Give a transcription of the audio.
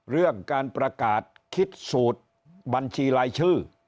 เรื่องการประกาศคิดสูตรบัญชีรายชื่อ